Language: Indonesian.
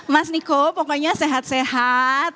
mas niko pokoknya sehat sehat